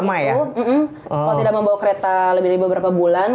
kalau tidak membawa kereta lebih dari beberapa bulan